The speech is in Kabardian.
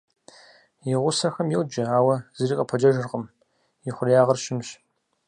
И гъусэхэм йоджэ, ауэ зыри къыпэджэжыркъым, ихъуреягъыр щымщ.